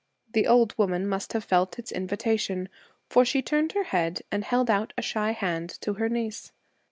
The old woman must have felt its invitation, for she turned her head and held out a shy hand to her niece.